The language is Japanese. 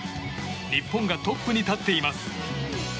日本がトップに立っています。